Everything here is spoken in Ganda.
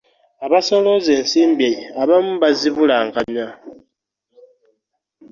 Abasolooza ensimbi abamu bazibulankanya.